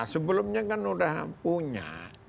sebelumnya kan udah punya